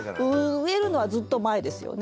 植えるのはずっと前ですよね。